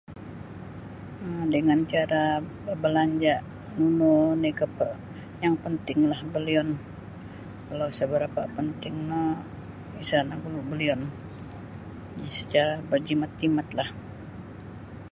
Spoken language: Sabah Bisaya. Dangan cara babalanja nunu ni keper yang pentinglah belion kalau isa barapa penting no isa lah na gulu belion secara berjimat-jimatlah.